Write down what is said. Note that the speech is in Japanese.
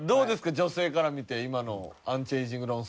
女性から見て今のアンチエイジング論争。